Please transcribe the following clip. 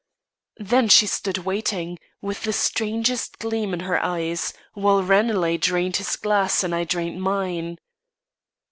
Then she stood waiting, with the strangest gleam in her eyes, while Ranelagh drained his glass and I drained mine.